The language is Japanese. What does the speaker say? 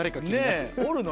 おるの？